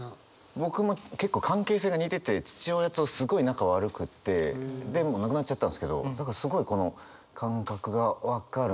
僕も結構関係性が似てて父親とすごい仲悪くってでもう亡くなっちゃったんすけどだからすごいこの感覚が分かるんですよね。